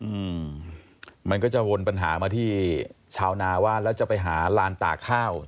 อืมมันก็จะวนปัญหามาที่ชาวนาว่าแล้วจะไปหาลานตากข้าว